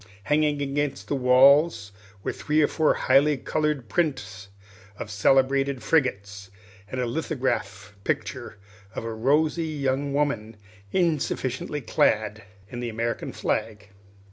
Hanging against the walls were three or four highly colored prints of celebrated frigates, and a lithograph picture of a rosy young woman insufficiently clad in the American flag.